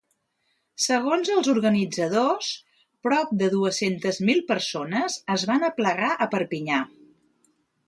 Segons els organitzadors, prop de dues-centes mil persones es van aplegar a Perpinyà.